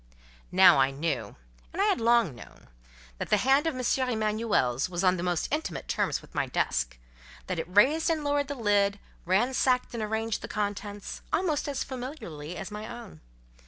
Now I knew, and I had long known, that that hand of M. Emanuel's was on the most intimate terms with my desk; that it raised and lowered the lid, ransacked and arranged the contents, almost as familiarly as my own.